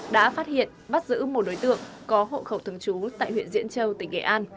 đã phát hiện bắt giữ một đối tượng có hộ khẩu thường trú tại huyện diễn châu tỉnh nghệ an